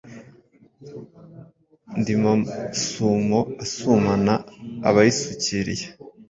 Ndi Masumo asumana abayisukiriye!